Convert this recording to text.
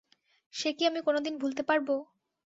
সে কি আমি কোনোদিন ভুলতে পারব!